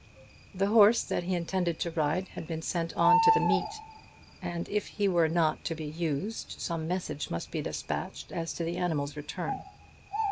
The horse that he intended to ride had been sent on to the meet, and if he were not to be used, some message must be despatched as to the animal's return.